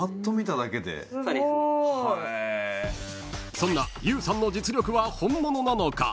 ［そんなゆぅさんの実力は本物なのか？］